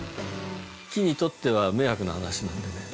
木にとっては迷惑な話なんでね。